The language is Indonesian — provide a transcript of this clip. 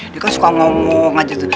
dia kan suka ngomong aja tuh